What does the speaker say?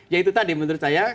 ya itu tadi menurut saya